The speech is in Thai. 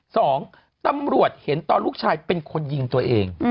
สองตำรวจเห็นตอนลูกชายเป็นคนยิงตัวเอง